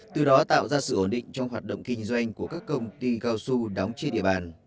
từ đó tạo ra sự ổn định trong hoạt động kinh doanh của các công ty cao su đóng trên địa bàn